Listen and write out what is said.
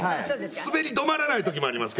滑り止まらない時もありますけども。